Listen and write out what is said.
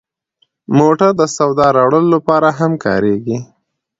موټر د سودا راوړلو لپاره هم کارېږي.